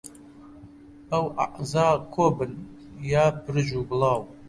ئەو ئەعزا کۆبن یا پرژ و بڵاو